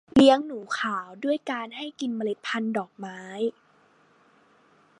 เลี้ยงหนูขาวด้วยการให้กินเมล็ดพันธ์ดอกไม้